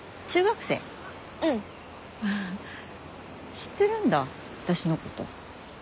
知ってるんだ私のこと。